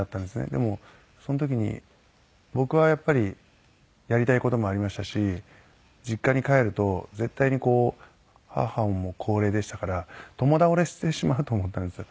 でもその時に僕はやっぱりやりたい事もありましたし実家に帰ると絶対に母も高齢でしたから共倒れしてしまうと思ったんです。